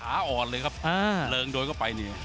อ่อนเลยครับเริงโดนเข้าไปนี่